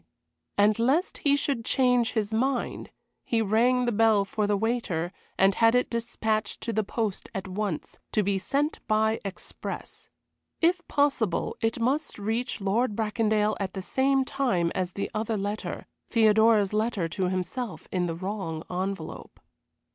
And lest he should change his mind, he rang the bell for the waiter, and had it despatched to the post at once to be sent by express. If possible it must reach Lord Bracondale at the same time as the other letter Theodora's letter to himself in the wrong envelope.